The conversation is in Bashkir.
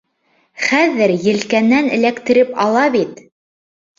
Хәҙер елкәнән эләктереп ала бит!